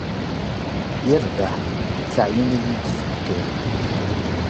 Yerbeḥ, d teɛyin i iyi-d-tefkiḍ.